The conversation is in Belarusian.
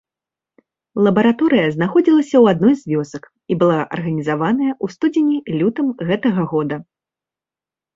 Лабараторыя знаходзілася ў адной з вёсак і была арганізаваная ў студзені-лютым гэтага года.